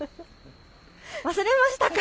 忘れましたか。